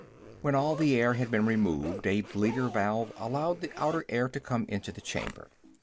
When all the air had been removed, a bleeder valve allowed the outer air to come into the chamber.